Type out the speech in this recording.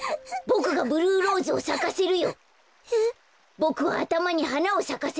ボクがブルーローズをさかせてあげる！